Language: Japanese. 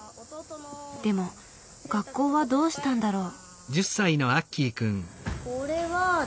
でも学校はどうしたんだろう。